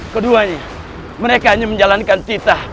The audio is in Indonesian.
keduanya mereka hanya menjalankan cita